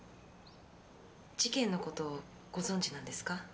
事件の事をご存じなんですか？